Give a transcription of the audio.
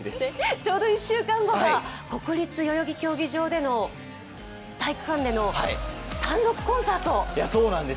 ちょうど１週間後が国立代々木競技場での単独コンサート。